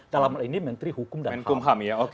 dalam hal ini menteri hukum dan hak